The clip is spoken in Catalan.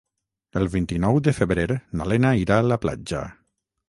El vint-i-nou de febrer na Lena irà a la platja.